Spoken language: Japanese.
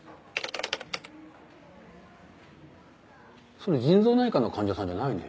それ腎臓内科の患者さんじゃないね？